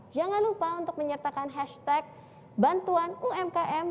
jangan lupa untuk menyertakan hashtag bantuan umkm